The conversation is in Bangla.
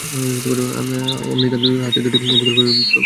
অমনি তাঁর দুই হাতের দুটি বোতল পড়ে গেল ও ভেঙ্গে গেল।